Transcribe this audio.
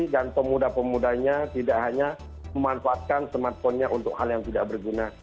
dan pemuda pemudanya tidak hanya memanfaatkan smartphone nya untuk hal yang tidak berguna